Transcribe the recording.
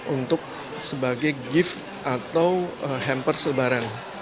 untuk sebagai gift atau hamper selebaran